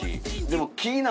でも。